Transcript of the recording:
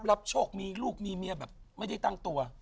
รับโชคมีลูกมีเมียแบบไม่ได้ตั้งตัว